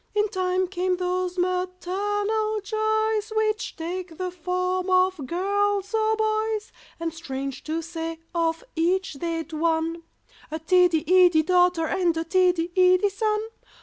In time came those maternal joys Which take the form of girls or boys, And strange to say of each they'd one— A tiddy iddy daughter, and a tiddy iddy son!